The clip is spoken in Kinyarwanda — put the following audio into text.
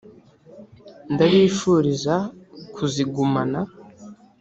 ndabifuriza kuzigumana